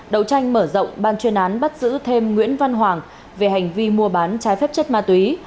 đầu tranh mở rộng ban chuyên án bắt giữ thêm nguyễn văn hoàng về hành vi mua bán trái phép chất ma túy